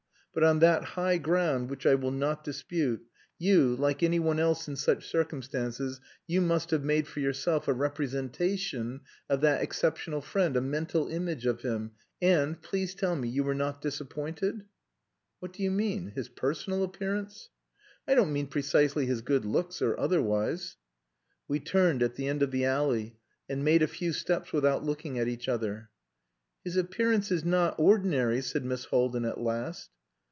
But on that high ground, which I will not dispute, you, like anyone else in such circumstances, you must have made for yourself a representation of that exceptional friend, a mental image of him, and please tell me you were not disappointed?" "What do you mean? His personal appearance?" "I don't mean precisely his good looks, or otherwise." We turned at the end of the alley and made a few steps without looking at each other. "His appearance is not ordinary," said Miss Haldin at last.